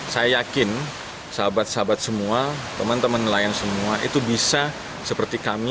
saya yakin sahabat sahabat semua teman teman nelayan semua itu bisa seperti kami